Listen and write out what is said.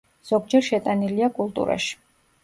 ზოგჯერ შეტანილია კულტურაში.